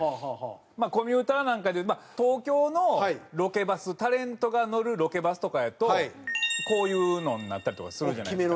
まあコミューターなんか東京のロケバスタレントが乗るロケバスとかやとこういうのになったりとかするじゃないですか。